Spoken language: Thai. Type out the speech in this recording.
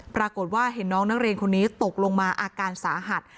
ปรากฏว่าเห็นน้องนักเรียนคนนี้ตกลงมาอาการสาหัส